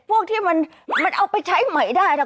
พวกที่มันเอาไปใช้ใหม่ได้นะ